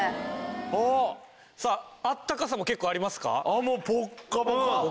さああったかさも結構ありますか？